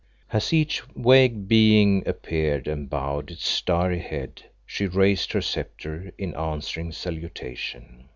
As each vague Being appeared and bowed its starry head she raised her sceptre in answering salutation.